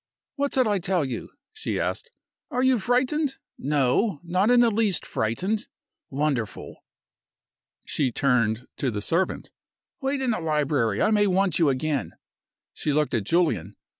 "What did I tell you?" she asked. "Are you frightened? No! not in the least frightened! Wonderful!" She turned to the servant. "Wait in the library; I may want you again." She looked at Julian.